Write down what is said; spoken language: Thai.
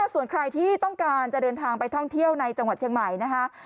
ส่วนใครที่ต้องการจะเดินทางไปท่องเที่ยวในจังหวัดเชียงใหม่นะคะ